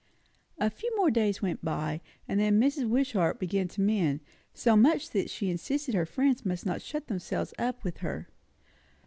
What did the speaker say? A few more days went by; and then Mrs. Wishart began to mend; so much that she insisted her friends must not shut themselves up with her.